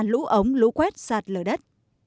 lũ ống lũ quét sạt lở đất